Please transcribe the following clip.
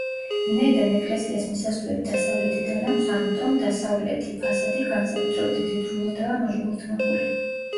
ვინაიდან ეკლესიას მისასვლელი დასავლეთიდან აქვს, ამიტომ დასავლეთი ფასადი განსაკუთრებით მდიდრულადაა მოჩუქურთმებული.